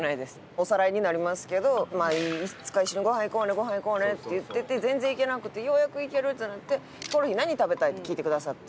おさらいになりますけどいつか一緒にごはん行こうねごはん行こうねって言ってて全然行けなくてようやく行けるってなって「ヒコロヒー何食べたい？」って聞いてくださって。